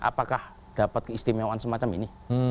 apakah dapat keistimewaan semacam ini